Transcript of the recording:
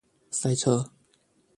塞車